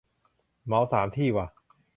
เหมาสามที่ว่ะ